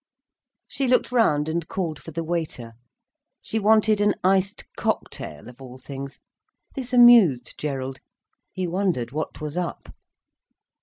She looked round, and called for the waiter. She wanted an iced cocktail, of all things. This amused Gerald—he wondered what was up.